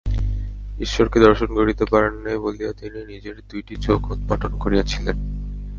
ঈশ্বরকে দর্শন করিতে পারেন নাই বলিয়া তিনি নিজের দুইটি চোখ উৎপাটন করিয়াছিলেন।